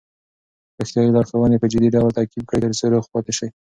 روغتیايي لارښوونې په جدي ډول تعقیب کړئ ترڅو روغ پاتې شئ.